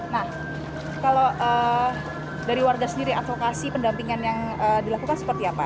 nah kalau dari warga sendiri advokasi pendampingan yang dilakukan seperti apa